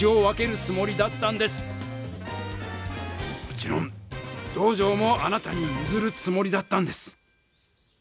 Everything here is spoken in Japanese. もちろん道場もあなたにゆずるつもりだったんです。